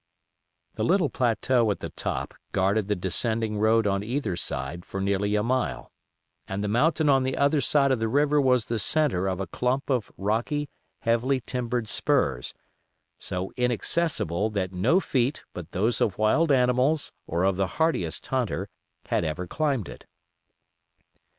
The little plateau at the top guarded the descending road on either side for nearly a mile, and the mountain on the other side of the river was the centre of a clump of rocky, heavily timbered spurs, so inaccessible that no feet but those of wild animals or of the hardiest hunter had ever climbed it.